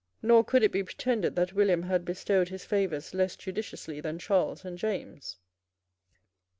Nor could it be pretended that William had bestowed his favours less judiciously than Charles and James.